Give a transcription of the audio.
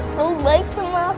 kau baik sama aku